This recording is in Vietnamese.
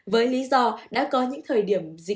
với lý do đã có những thời điểm vô cùng nhiều